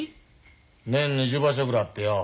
年２０場所ぐらいあってよ